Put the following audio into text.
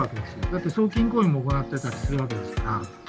だって、送金行為を行っていたりするわけですから。